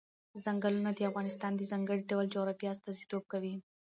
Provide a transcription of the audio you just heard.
ځنګلونه د افغانستان د ځانګړي ډول جغرافیه استازیتوب کوي.